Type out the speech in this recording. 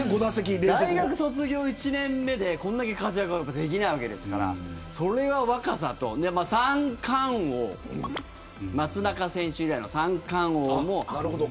大学卒業１年目でこれだけ活躍はできないわけですから松中選手以来の三冠王も。